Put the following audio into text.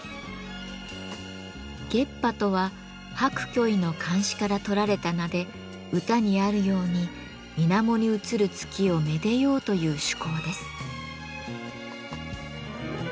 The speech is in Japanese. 月波とは白居易の漢詩から取られた名で歌にあるように水面に映る月をめでようという趣向です。